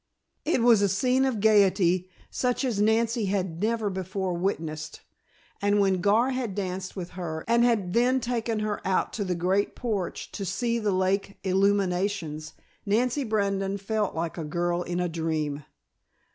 It was a scene of gaiety such as Nancy had never before witnessed, and when Gar had danced with her and had then taken her out to the great porch to see the lake illuminations, Nancy Brandon felt like a girl in a dream.